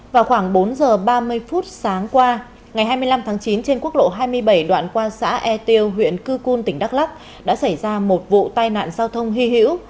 vào khoảng bốn giờ ba mươi phút sáng qua ngày hai mươi năm tháng chín trên quốc lộ hai mươi bảy đoạn qua xã e tiêu huyện cư cun tỉnh đắk lắc đã xảy ra một vụ tai nạn giao thông hy hữu